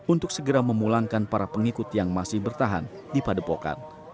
untuk segera memulangkan para pengikut yang masih bertahan di padepokan